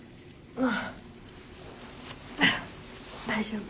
う大丈夫。